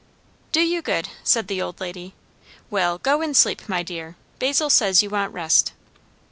"Do you good," said the old lady. "Well, go and sleep, my dear. Basil says you want rest."